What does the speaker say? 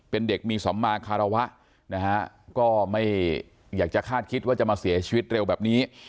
เป็นเด็กมีสัมมาคารวะนะฮะก็ไม่อยากจะคาดคิดว่าจะมาเสียชีวิตเร็วแบบนี้